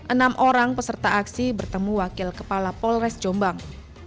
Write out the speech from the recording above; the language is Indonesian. enam orang peserta aksi bertemu wakil kepala polres jombang